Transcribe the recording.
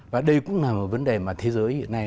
và đây cũng là một vấn đề mà thế giới hiện nay